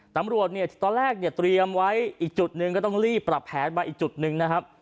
ตำรวจเนี่ยตอนแรกเนี่ยเตรียมไว้อีกจุดหนึ่งก็ต้องรีบปรับแผนมาอีกจุดหนึ่งนะครับ